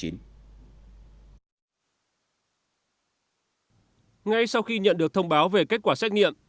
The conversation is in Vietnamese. ngay sau khi nhận được thông báo về kết quả xét nghiệm